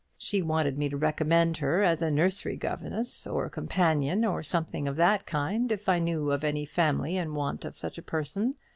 She wanted me to recommend her as a nursery governess, or companion, or something of that kind, if I knew of any family in want of such a person.